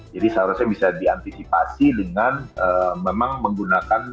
jadi seharusnya bisa diantisipasi dengan memang menggunakan